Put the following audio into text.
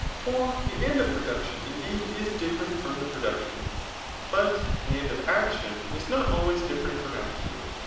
For the end of production indeed is different from the producticm, but the end of action is not always different from action.